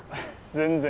全然！